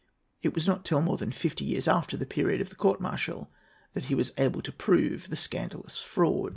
It was not till more than fifty years after the period of the court martial that he was able to prove the scandalous fraud.